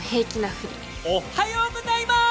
おっはようございます！